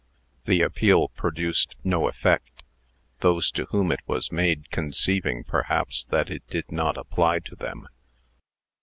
The appeal produced no effect; those to whom it was made conceiving, perhaps, that it did not apply to them.